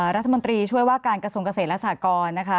รัฐมนตรีช่วยว่าการกระทรวงเกษตรและสากรนะคะ